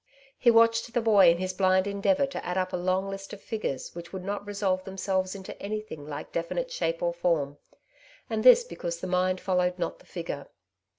He watched the boy in his blind endeavour to add up a long list of figures which would not resolve themselves into anything like definite shape or form, and this because the mind followed not the figure.